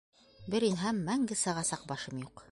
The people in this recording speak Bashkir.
Бер инһәм, мәңге сығасаҡ башым юҡ.